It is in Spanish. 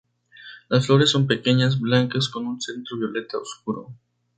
Las flores son pequeñas, blancas con un centro violeta oscuro.